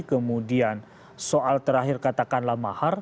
kemudian soal terakhir katakanlah mahar